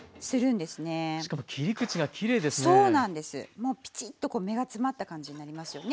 もうピチッとこう目が詰まった感じになりますよね。